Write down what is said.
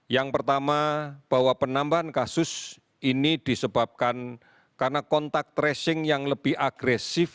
yang pertama bahwa penambahan kasus ini disebabkan karena kontak tracing yang lebih agresif